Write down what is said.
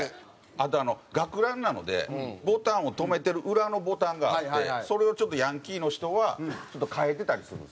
あと学ランなのでボタンを留めてる裏のボタンがあってそれをちょっとヤンキーの人は替えてたりするんですよ。